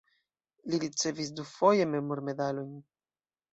Li ricevis dufoje memormedalojn.